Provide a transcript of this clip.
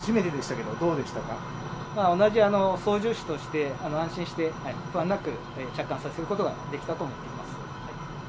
初めてでしたけど、どうでし同じ操縦士として、安心して不安なく着艦させることができたと思っています。